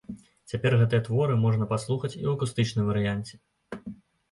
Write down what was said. Цяпер гэтыя творы можна паслухаць і ў акустычным варыянце.